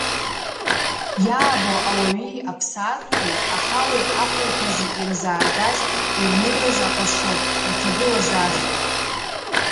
Иаабо ауаҩи аԥсаатәқәеи, аҳауеи ахәылԥази ирзааргаз, ирнырыз аҟазшьоуп, рҭагылазаашьоуп.